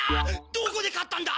どこで買ったんだ！？